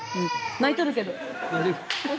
泣いとるけど。